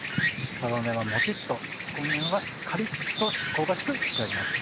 皮目はモチっと底面はカリっと香ばしく仕上げます。